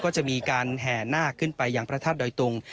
ก็จะมีการแห่นาคขึ้นไปอย่างพระธาตุดอยตุง